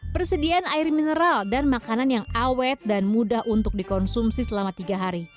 persediaan air mineral dan makanan yang awet dan mudah untuk dikonsumsi selama tiga hari